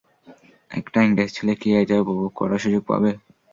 একটা ইংরেজ ছেলে কি এটা উপভোগ করার সুযোগ পাবে?